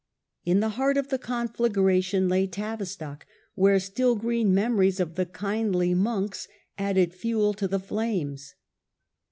In the heart of the conflagration lay Tavistock, where still green memories of the kindly monks added fuel to the flames.